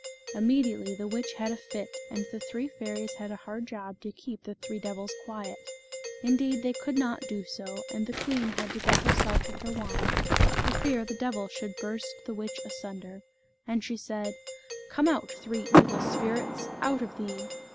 Immediately the witch had a fit, and the three fairies had a hard job to keep the three devils quiet ; indeed, they could not do so, and the queen had to go herself with her wand, for fear the devils should burst the witch asunder, and she said, "Come out three evil spirits, out of thee."